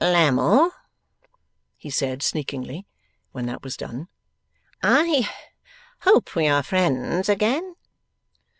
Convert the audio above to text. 'Lammle,' he said sneakingly, when that was done, 'I hope we are friends again?